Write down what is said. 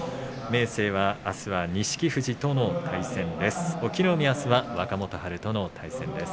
明生はあすは錦富士との対戦です。